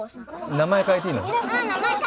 名前変えていい。